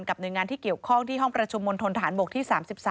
หน่วยงานที่เกี่ยวข้องที่ห้องประชุมมณฑนฐานบกที่๓๓